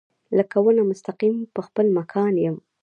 لکه ونه مستقیم پۀ خپل مکان يم